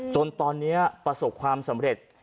จนตอนนี้ประสบความสำเร็จ